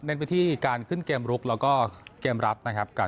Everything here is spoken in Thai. ไปที่การขึ้นเกมลุกแล้วก็เกมรับนะครับ